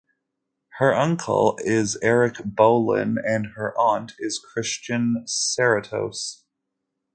Her uncle is Erik Bolin and her aunt is Christian Serratos.